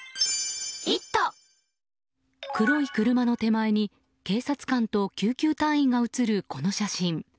黒い車の手前に、警察官と救急隊員が写るこの写真。